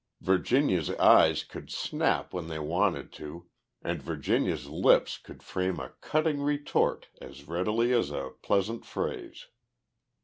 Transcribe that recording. Virginia's eyes could snap when they wanted to and Virginia's lips could frame a cutting retort as readily as a pleasant phrase.